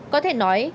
có thể nói